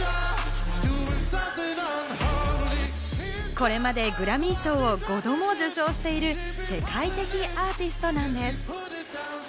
これまでグラミー賞を５度も受賞している世界的アーティストなんです。